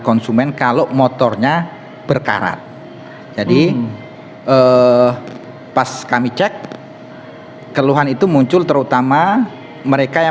konsumen kalau motornya berkarat jadi eh pas kami cek keluhan itu muncul terutama mereka yang